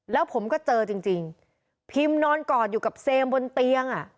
แล้วผมก็เจอจริงพิมนอนกอดอยู่กับเซมบนเตียงอ่ะ